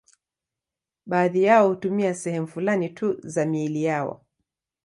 Baadhi yao hutumia sehemu fulani tu za miili yao.